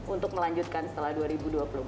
untuk melanjutkan setelah dua ribu dua puluh empat